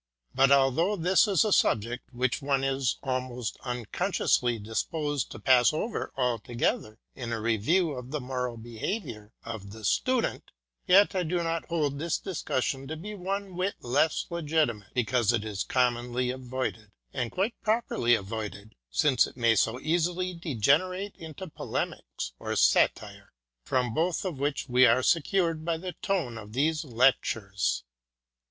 But although this is a subject which one is, almost unconsciously, disposed to pass over altogether in a review of the moral behaviour of the Student, yet I do not hold this discussion to be one whit less legitimate because it is commonly avoided, and quite properly avoided, since it may so easily degenerate into polemics or satire, from both of which we are secured by the tone of these lectures.